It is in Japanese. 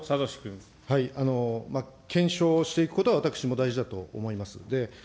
検証をしていくことは私も大事だと思います。